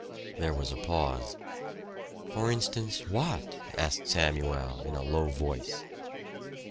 There was a pause. "For instance, what?" asked Samuel in a low voice.